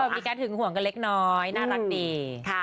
มีการหึงห่วงกันเล็กน้อยน่ารักดี